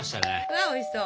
わあおいしそう。